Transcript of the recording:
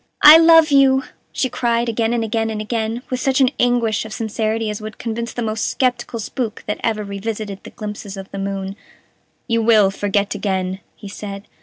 "I love you," she cried, again and again and again, with such an anguish of sincerity as would convince the most skeptical spook that ever revisited the glimpses of the moon. "You will forget again," he said.